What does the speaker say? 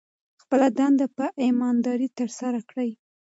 خپله دنده په ایمانداري ترسره کړئ.